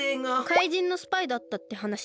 かいじんのスパイだったってはなし？